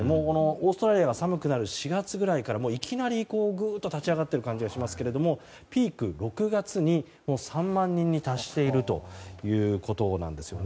オーストラリアが寒くなる４月くらいからいきなり、ぐっと立ち上がっている感じがしますがピーク、６月に３万人に達しているということなんです。